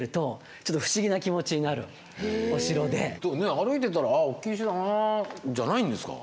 歩いてたら「ああ大きい石だなぁ」じゃないんですか？